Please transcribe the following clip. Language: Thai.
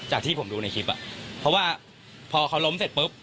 ที่ผมดูในคลิปอ่ะเพราะว่าพอเขาล้มเสร็จปุ๊บ